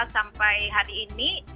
sampai hari ini